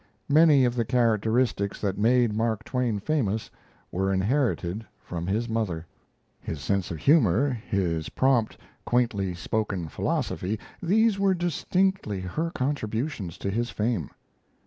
Many of the characteristics that made Mark Twain famous were inherited from his mother. His sense of humor, his prompt, quaintly spoken philosophy, these were distinctly her contribution to his fame.